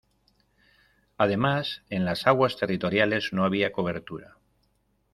Además, en las aguas territoriales no había cobertura.